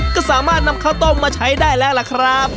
ก็สามารถนำข้าวต้มมาใช้ได้แล้วล่ะครับ